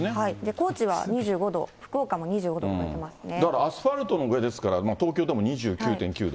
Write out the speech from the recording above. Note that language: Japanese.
高知は２５度、福岡も２５度だからアスファルトの上ですから、東京でも２９．９度。